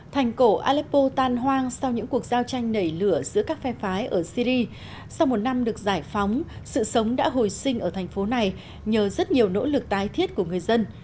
thành cổ aleppo tan hoang sau những cuộc giao tranh nảy lửa giữa các phe phái ở syri sau một năm được giải phóng sự sống đã hồi sinh ở thành phố này nhờ rất nhiều nỗ lực tái thiết của người dân